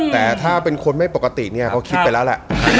แต่ถ้าเป็นคนไม่ปกติเขาคิดไปแล้วล่ะ